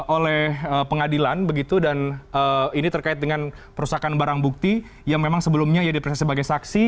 oleh pengadilan begitu dan ini terkait dengan perusahaan barang bukti yang memang sebelumnya ia diperiksa sebagai saksi